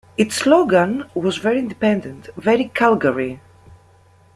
Its slogan was Very independent, very Calgary!